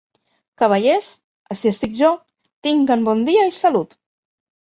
Cavallers, ací estic jo, tinguen bon dia i salut!